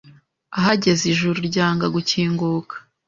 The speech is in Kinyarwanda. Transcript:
Ahageze ijuru ryanga gukinguka